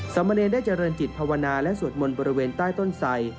มะเนรได้เจริญจิตภาวนาและสวดมนต์บริเวณใต้ต้นไส